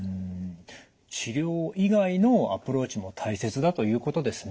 治療以外のアプローチも大切だということですね。